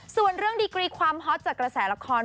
ส่วนเรื่องดีกรีความฮอตจากกระแสละคร